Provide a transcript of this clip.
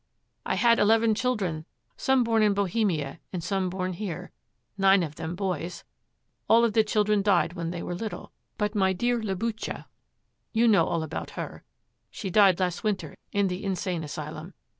'I had eleven children, some born in Bohemia and some born here; nine of them boys; all of the children died when they were little, but my dear Liboucha, you know all about her. She died last winter in the insane asylum.